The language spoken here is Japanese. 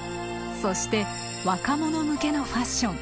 そして若者向けのファッション。